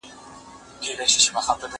يوه ورځ پر اوداسه ناست پر گودر وو